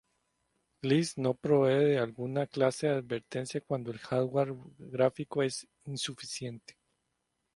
Glitz no provee de alguna clase de advertencia cuando el hardware gráfico es insuficiente.